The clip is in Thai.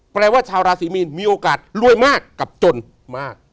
แปลว่าชาวราศีมีนมีโอกาสรวยมากกับจนมาก